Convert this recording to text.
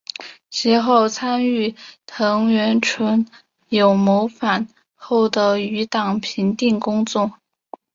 其后参与藤原纯友谋反后的余党平定工作。